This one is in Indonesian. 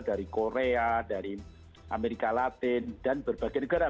dari korea dari amerika latin dan berbagai negara